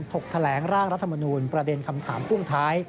ถกแถลงร่างรัฐมนูลประเด็นคำถามพ่วงท้าย